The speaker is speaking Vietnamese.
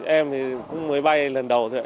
em thì cũng mới bay lần đầu thôi